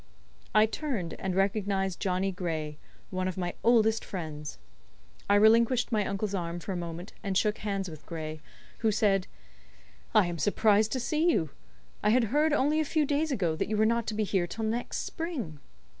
I turned, and recognised Johnny Gray, one of my oldest friends. I relinquished my uncle's arm for a moment, and shook hands with Gray, who said: "I am surprised to see you. I heard only a few days ago, that you were not to be here till next spring."